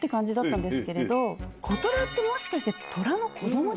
コトラってもしかして。